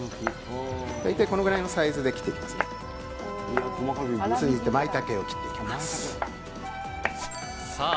だいたいこのぐらいのサイズで切っていきますねさあ